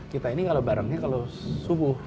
kita ini kalau barangnya kalau subuh